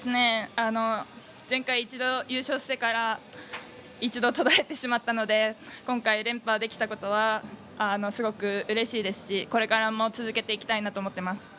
前回、一度優勝してから一度、途絶えてしまったので今回、連覇できたことはすごくうれしいですしこれからも続けていきたいなと思っています。